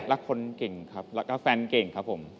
รักคนเก่งครับแล้วก็แฟนเก่งครับผม